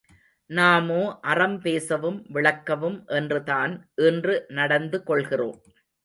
நாமோ அறம் பேசவும் விளக்கவும் என்றுதான் இன்று நடந்து கொள்கிறோம்.